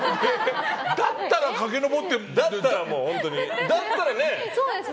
だったら駆け上ってもらう？だったらね？